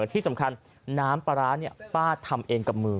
ที่สำคัญน้ำปลาร้าป้าทำเองกับมือ